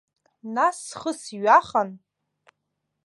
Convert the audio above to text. Нас схы сҩахан.